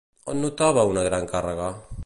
On notava una gran càrrega?